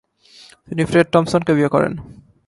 তিনি ফ্রেড টমসনকে বিয়ে করেন।